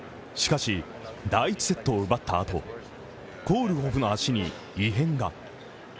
しかし、第１セットを奪った後、コールホフ足に異変が。